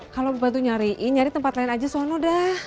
kalau bantu nyariin nyari tempat lain aja sana dah